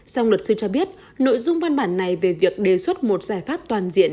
song luật sư cho biết nội dung văn bản này về việc đề xuất một giải pháp toàn diện